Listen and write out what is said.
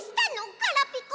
ガラピコ。